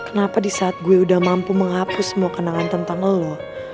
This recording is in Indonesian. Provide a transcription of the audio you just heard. kenapa di saat gue udah mampu menghapus semua kenangan tentang lo